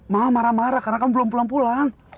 ma marah marah karena kamu belum pulang pulang